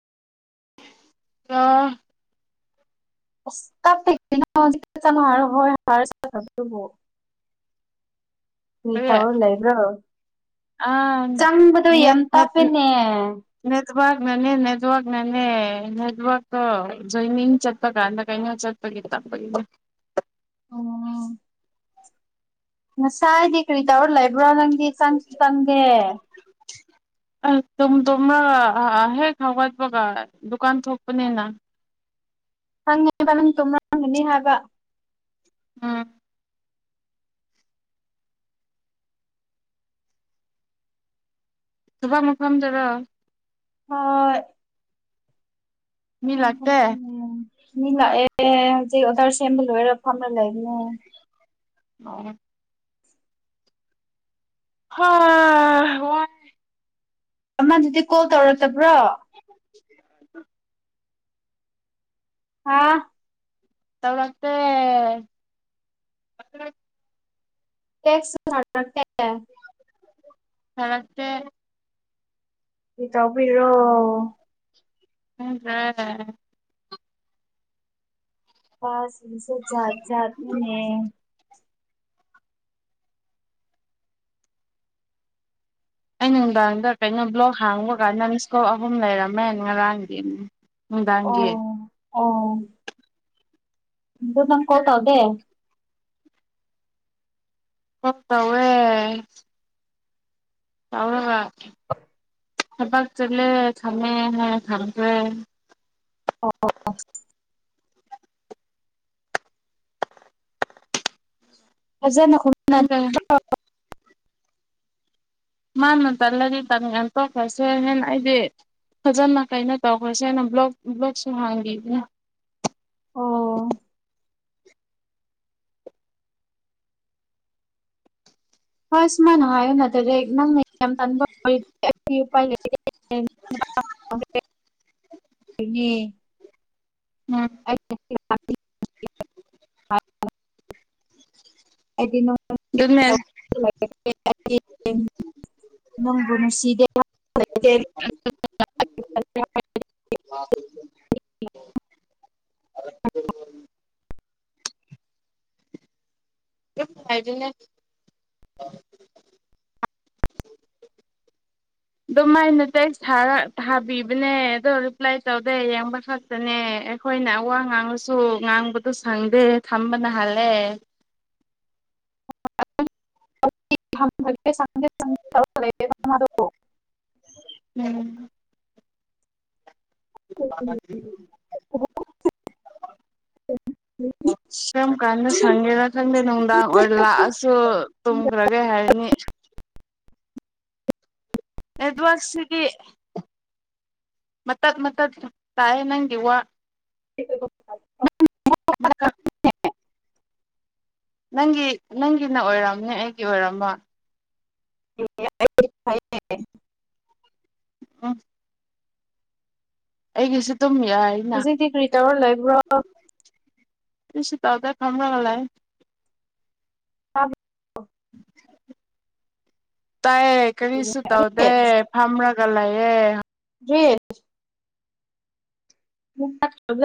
ꯍꯥꯜꯂꯣ ꯁ ꯍꯥ ꯍ ꯍꯥ [unintelligible] [inaudible] [inaudible] ꯀꯔꯤ ꯇꯧꯔ ꯂꯩꯕ꯭ꯔꯣ ꯑꯥ ꯆꯪꯕꯗꯣ ꯌꯥꯝ ꯇꯥꯞꯄꯦꯅꯦ ꯅꯦꯠꯋ꯭ꯔꯥꯛ ꯅꯅꯦ ꯅꯦꯠꯋ꯭ꯔꯥꯛ ꯅꯅꯦ ꯅꯦꯠꯋꯔꯛ ꯇꯣ ꯖꯣꯏꯅꯤꯡ ꯆꯠꯄꯒꯥꯟꯗ ꯀꯩꯅꯣ ꯆꯠ [unintelligible] [unintelligible] ꯉꯁꯥꯏꯗꯤ ꯀ꯭ꯔꯤ ꯇꯧꯔꯥ ꯂꯩꯕ꯭ꯔꯣ ꯅꯪꯗꯤ ꯆꯪꯁꯨ ꯆꯪꯗꯦ ꯑ ꯇꯨꯝ ꯇꯨꯝꯂꯒ ꯍ ꯍꯦꯛ ꯍꯧꯒꯠꯄꯒ ꯗꯨꯀꯥꯟ ꯊꯣꯛꯄꯅꯤꯅ ꯍꯪꯉꯦꯕ ꯅꯪ ꯇꯨꯝꯔꯝꯒꯅꯤ ꯍꯥꯏꯕ ꯎꯝ ꯊꯕꯛ ꯃꯐꯝꯗꯔꯣ ꯍꯣꯏ ꯃꯤ ꯂꯥꯛꯇꯦ [unintelligible] ꯃꯤ ꯂꯥꯛꯑꯦ ꯍꯧꯖꯤꯛ ꯑꯣꯗꯥꯔ ꯁꯦꯝꯕ ꯂꯣꯏꯔ ꯐꯝꯔ ꯂꯩꯒꯅꯣ [unintelligible] ꯍꯥ ꯋꯥꯏ ꯑꯃꯗꯨꯗꯤ ꯀꯣꯜ ꯇꯧꯔꯛꯇꯕ꯭ꯔꯣ [inaudible] ꯍꯥꯥ ꯇꯧꯔꯛꯇꯦ [unintelligible] ꯇꯦꯛꯁ ꯁꯨ ꯊꯥꯔꯛꯇꯦ [inaudible] ꯊꯥꯔꯛꯇꯦ ꯀ꯭ꯔꯤ ꯇꯧꯕꯩꯔꯣ ꯈꯪꯗ꯭ꯔꯦ [unintelligible] [unintelligible] ꯁꯤꯡꯁꯨ ꯖꯥꯠ ꯖꯥꯠ ꯅꯤꯅꯦ ꯑꯩ ꯅꯨꯡꯗꯥꯡꯗ ꯀꯩꯅꯣ ꯕ꯭ꯂꯣꯛ ꯍꯥꯡꯕ ꯀꯥꯟꯗ ꯅꯪ ꯃꯤꯁꯀꯣꯜ ꯑꯍꯨꯝ ꯂꯩꯔꯝꯃꯦ ꯉꯔꯥꯡꯗꯤ ꯅꯨꯡꯗꯥꯡꯒꯤ ꯑꯣ ꯑꯣ ꯑꯗꯨ ꯅꯪ ꯀꯣꯜ ꯇꯧꯗꯦ ꯎꯝ ꯇꯧꯋꯦ ꯇꯧꯔꯒ ꯊꯕꯛ ꯆꯠꯂꯦ ꯊꯃꯦ ꯍꯥꯏꯔ ꯊꯝꯈ꯭ꯔꯦ ꯑꯣ ꯐꯖꯅ ꯈꯨꯝ ꯅꯪꯒ ꯃꯥꯅ ꯇꯜꯂꯗꯤ ꯇꯟ [unintelligible] ꯔꯣꯏꯁꯦ ꯍꯥꯏꯅ ꯑꯩꯗꯤ ꯐꯖꯅ ꯀꯩꯅꯣ ꯇꯧꯈ꯭ꯔꯁꯦ ꯍꯥꯏꯅ ꯕ꯭ꯂꯣꯛ ꯕ꯭ꯂꯣꯛꯁꯨ ꯍꯥꯡꯕꯤꯕꯅꯦ ꯑꯣ ꯍꯣꯏ ꯁꯨꯃꯥꯏꯅ ꯍꯥꯏꯌꯣꯅ ꯅꯠꯇꯔꯗꯤ ꯅꯪꯅ ꯌꯥꯝ ꯇꯟꯕ [unintelligible] ꯑꯩꯗꯤ ꯎꯄꯥꯏ ꯂꯩꯇꯦ [inaudible] [unintelligible] ꯎꯝ ꯑꯩ [inaudible] ꯑꯩꯗꯤ ꯑꯗꯨꯅꯦ [inaudible] ꯅꯪꯕꯨꯅꯨꯡꯁꯤꯗꯦ [inaudible] [inaudible] ꯌꯥꯝ ꯅꯨꯡꯉꯥꯏꯗꯨꯏꯅꯦ [inaudible] [inaudible] ꯑꯗꯨꯃꯥꯏꯅ ꯇꯦꯛꯁ ꯊꯥꯔ ꯊꯥꯕꯤꯕꯅꯦ ꯑꯗꯣ ꯔꯤꯄ꯭ꯂꯥꯏ ꯇꯧꯗꯦ ꯌꯦꯡꯕ ꯈꯛ ꯅꯦ ꯑꯩꯈꯣꯏꯅ ꯑꯋꯥ ꯉꯥꯡꯂꯁꯨ ꯉꯥꯡꯕꯗꯣ ꯁꯪꯗꯦ ꯊꯝꯕꯅ ꯍꯥꯜꯂꯦ [inaudible] [unintelligible] [unintelligible] ꯎꯝ [unintelligible] [unintelligible] ꯀꯔꯝ ꯀꯥꯟꯗ ꯁꯪꯒꯦꯅ ꯈꯪꯗꯦ ꯅꯨꯡꯗꯥꯡ ꯑꯣꯏ ꯂꯥꯛꯑꯁꯨ ꯇꯨꯝꯒ꯭ꯔꯒꯦ ꯍꯥꯏꯅꯤ ꯋꯥꯛꯁꯤꯗꯤ ꯃꯇꯠ ꯃꯇꯠ ꯇꯥꯏꯌꯦ ꯅꯪꯒꯤ ꯋꯥ [unintelligible] ꯃꯀꯛ ꯅꯪꯒꯤ ꯅꯪꯒꯤꯅ ꯑꯣꯏꯔꯝꯅꯦ ꯑꯩꯒꯤ ꯑꯣꯏꯔꯝꯃꯣꯏ [unintelligible] [unintelligible] ꯑꯩꯒꯤꯁꯨ ꯑꯗꯨꯝ ꯌꯥꯏ ꯍꯧꯖꯤꯛꯇꯤ ꯀ꯭ꯔꯤ ꯇꯧꯔ ꯂꯩꯕ꯭ꯔꯣ ꯀꯔꯤꯁꯨ ꯇꯧꯗꯦ ꯐꯝꯂꯒ ꯂꯩ ꯇꯥꯏꯌꯦ ꯀꯔꯤꯁꯨ ꯇꯧꯗꯦ ꯐꯝꯔꯒ ꯂꯩꯥꯌꯦ ꯌꯦ [unintelligible]